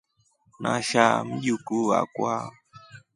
Nashaa Mjukuu akwa.